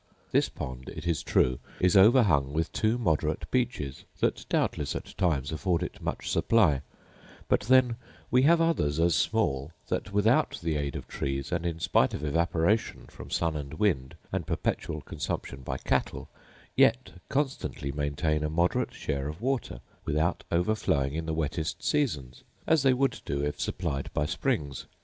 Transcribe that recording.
This pond, it is true, is over hung with two moderate beeches, that, doubtless, at times afford it much supply: but then we have others as small, that, without the aid of trees, and in spite of evaporation from sun and wind, and perpetual consumption by cattle, yet constantly maintain a moderate share of water, without overflowing in the wettest seasons, as they would do if supplied by springs.